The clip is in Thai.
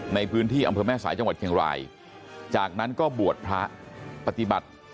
ในพื้นที่อำเภอแม่สายจังหวัดเชียงรายจากนั้นก็บวชพระปฏิบัติ